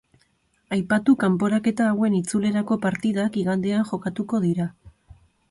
Aipatu kanporaketa hauen itzulerako partidak igandean jokatuko dira.